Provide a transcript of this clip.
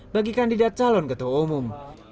bagi kandidat calon ketua umum